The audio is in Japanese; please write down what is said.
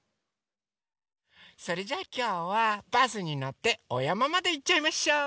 それじゃきょうはバスにのっておやままでいっちゃいましょう。